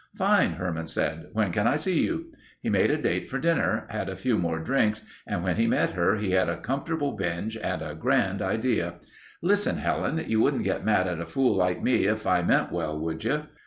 "Fine," Herman said. "When can I see you?" He made a date for dinner, had a few more drinks and when he met her he had a comfortable binge and a grand idea. "... Listen Helen. You wouldn't get mad at a fool like me if I meant well, would you?"